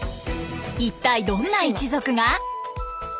一体どんな一族が？